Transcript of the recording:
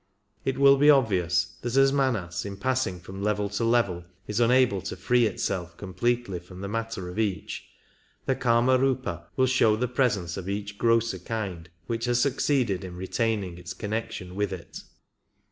It will be obvious that as Manas in passing from level to level is unable to free itself completely from the matter of each, the Kimarupa will show the presence of each grosser kind which has succeeded in retaining its connection with it.